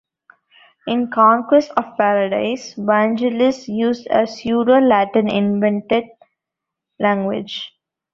In "Conquest of Paradise" Vangelis used a pseudo-Latin invented language.